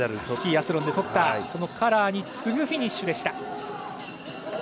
スキーアスロンでとったカラーに次ぐフィニッシュでした。